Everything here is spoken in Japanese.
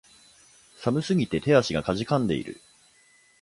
寒すぎて手足が悴んでいる